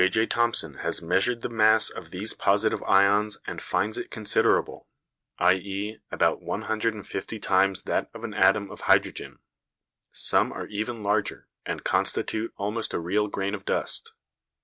J.J. Thomson has measured the mass of these positive ions and finds it considerable, i.e. about 150 times that of an atom of hydrogen. Some are even larger, and constitute almost a real grain of dust.